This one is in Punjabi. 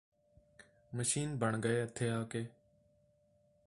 ਮਸ਼ੀਨ ਬਣ ਗਏ ਇਥੇ ਆ ਕੇ